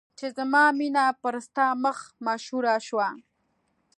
چې زما مینه پر ستا مخ مشهوره شوه.